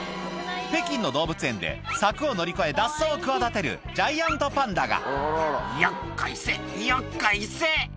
北京の動物園で柵を乗り越え脱走を企てるジャイアントパンダが「よっこいせよっこいせ」